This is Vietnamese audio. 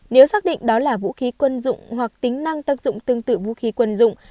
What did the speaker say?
nếu xác định đó là vũ khí quân dụng hoặc tính năng tác dụng tương tự vũ khí quân dụng